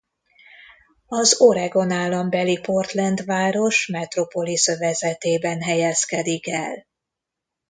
Az Oregon állambeli Portland város metropolisz övezetében helyezkedik el.